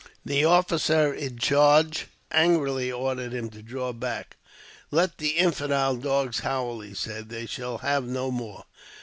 The officer in charge angrily ordered him to draw back. "Let the infidel dogs howl," he said. "They shall have no more."